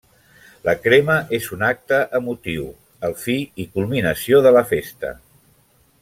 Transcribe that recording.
La crema és un acte emotiu, el fi i culminació de la festa.